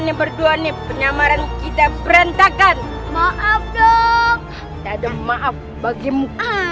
ini berdua nih penyamaran kita berantakan maaf dong ada maaf bagimu